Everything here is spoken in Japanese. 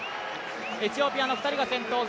エチオピアの２人が先頭。